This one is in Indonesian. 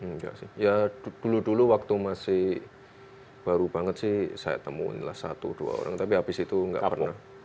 enggak sih ya dulu dulu waktu masih baru banget sih saya temuin lah satu dua orang tapi habis itu nggak pernah